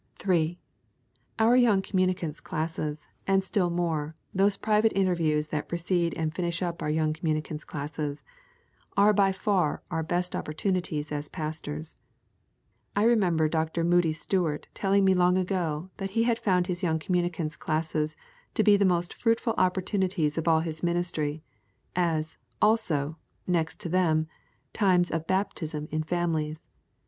3. Our young communicants' classes, and still more, those private interviews that precede and finish up our young communicants' classes, are by far our best opportunities as pastors. I remember Dr. Moody Stuart telling me long ago that he had found his young communicants' classes to be the most fruitful opportunities of all his ministry; as, also, next to them, times of baptism in families.